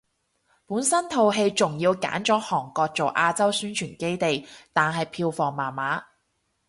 本身套戲仲要揀咗韓國做亞洲宣傳基地，但係票房麻麻